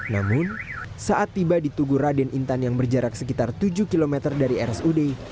namun saat tiba di tugu raden intan yang berjarak sekitar tujuh km dari rsud